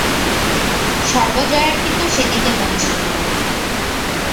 সর্বজয়ার কিন্তু সেদিকে মন ছিল না।